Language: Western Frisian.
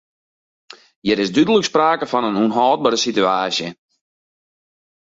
Hjir is dúdlik sprake fan in ûnhâldbere sitewaasje.